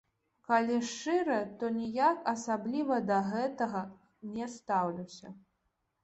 Калі шчыра, то ніяк асабліва да гэтага не стаўлюся.